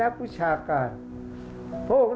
ภาคอีสานแห้งแรง